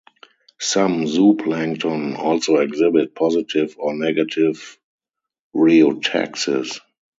Some zooplankton also exhibit positive or negative rheotaxis.